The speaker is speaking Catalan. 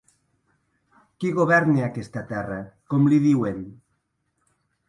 Qui governa aquesta terra? Com li diuen?